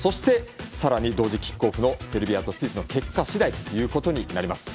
さらに同時キックオフのセルビアとスイスの結果次第となります。